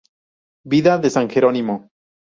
Vida de San Jerónimo".